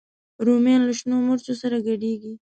رومیان له شنو مرچو سره ګډېږي